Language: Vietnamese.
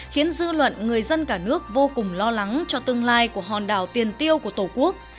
khiến dư luận người dân cả nước vô cùng lo lắng cho tương lai của hòn đảo tiền tiêu của tổ quốc